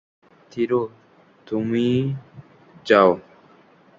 থিরু তুমি যাও।